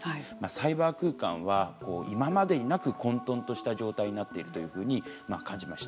サイバー空間は、今までになく混とんとした状態になっているというふうに感じました。